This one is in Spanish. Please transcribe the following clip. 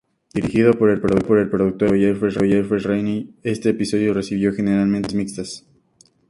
Dirigido por el productor ejecutivo Jeffrey Reiner, este episodio recibió generalmente revisiones mixtas.